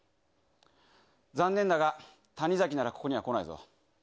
残念だが、たにざきならここには来ないぞ。